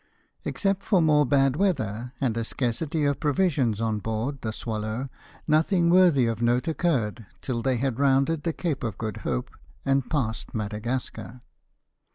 Except for more bad weather and a scarcity of provisions on board the 'Swallow,' nothing worthy of note occurred, till they had rounded the Cape of Good Hope and passed Madagascar.